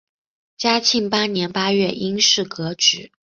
嘉庆八年八月因事革职。